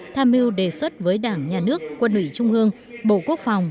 tham mưu đề xuất với đảng nhà nước quân ủy trung ương bộ quốc phòng